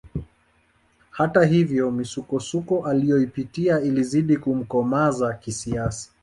Hata hivyo misukosuko aliyoipitia ilizidi kumkomaza kisiasa